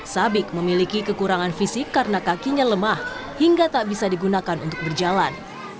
sabik memiliki kekurangan fisik karena kakinya lemah hingga tak bisa digunakan untuk berjalan